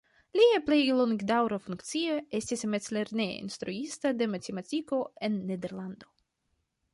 Lia plej longdaŭra funkcio estis mezlerneja instruisto de matematiko en Nederlando.